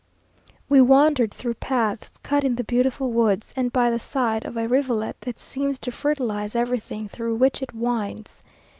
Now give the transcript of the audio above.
We wandered through paths cut in the beautiful woods, and by the side of a rivulet that seems to fertilize everything through which it winds.